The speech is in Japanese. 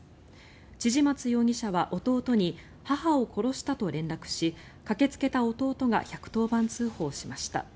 千々松容疑者は弟に母を殺したと連絡し駆けつけた弟が１１０番通報しました。